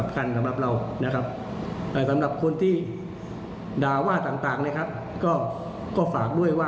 ครับหออออเชิญค่ะ